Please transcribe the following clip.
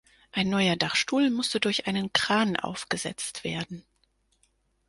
Ein neuer Dachstuhl musste durch einen Kran aufgesetzt werden.